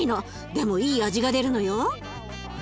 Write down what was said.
でもいい味が出るのよ。